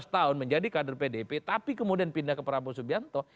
lima belas tahun menjadi kader pdip tapi kemudian pindah ke prabowo subianto